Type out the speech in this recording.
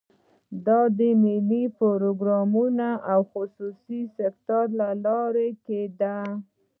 دا د ملي پروګرامونو او خصوصي سکتور له لارې کېده.